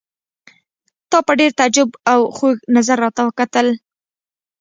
تا په ډېر تعجب او خوږ نظر راته وکتل.